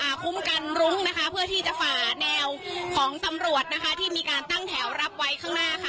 คุ้มกันรุ้งนะคะเพื่อที่จะฝ่าแนวของตำรวจนะคะที่มีการตั้งแถวรับไว้ข้างหน้าค่ะ